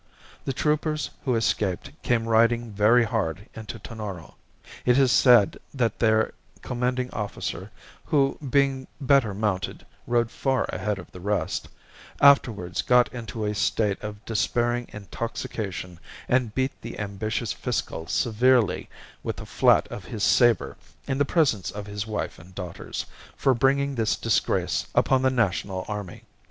The troopers who escaped came riding very hard into Tonoro. It is said that their commanding officer (who, being better mounted, rode far ahead of the rest) afterwards got into a state of despairing intoxication and beat the ambitious Fiscal severely with the flat of his sabre in the presence of his wife and daughters, for bringing this disgrace upon the National Army.